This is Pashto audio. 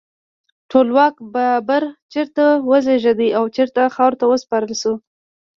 ټولواک بابر چیرته وزیږید او چیرته خاورو ته وسپارل شو؟